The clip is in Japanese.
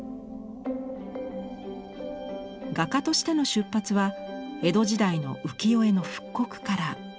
画家としての出発は江戸時代の浮世絵の復刻から。